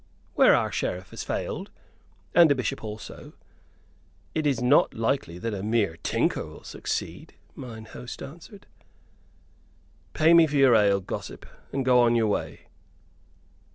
"Where our Sheriff has failed, and a Bishop also, it is not likely that a mere tinker will succeed," mine host answered. "Pay me for your ale, gossip, and go on your way."